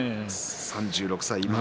３６歳。